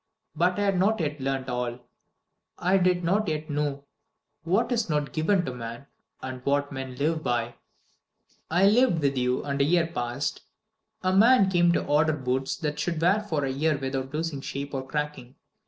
But I had not yet learnt all. I did not yet know What is not given to man, and What men live by. "I lived with you, and a year passed. A man came to order boots that should wear for a year without losing shape or cracking.